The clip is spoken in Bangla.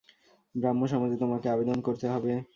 ব্রাহ্মসমাজে তোমাকে আবেদন করতে হবে।